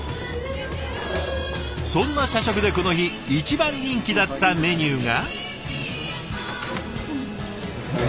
そんな社食でこの日一番人気だったメニューが。